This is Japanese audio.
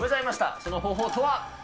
その方法とは。